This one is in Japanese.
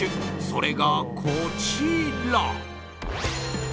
それが、こちら。